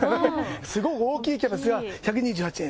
すごい大きいキャベツが１２８円。